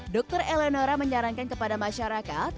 dokter eleonora menyarankan kepada masyarakat